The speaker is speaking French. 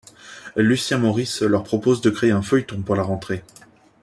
Lucien Morisse leur propose de créer un feuilleton pour la rentrée.